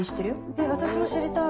えっ私も知りたい。